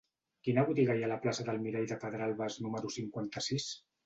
Quina botiga hi ha a la plaça del Mirall de Pedralbes número cinquanta-sis?